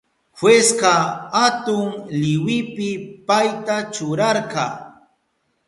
Jueska atun liwipi payta churarka.